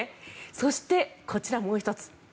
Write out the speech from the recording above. そして、こちらもう１つ。